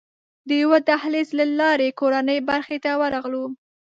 د یوه دهلېز له لارې کورنۍ برخې ته ورغلو.